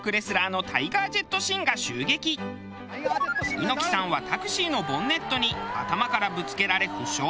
猪木さんはタクシーのボンネットに頭からぶつけられ負傷。